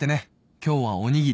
「今日はおにぎり。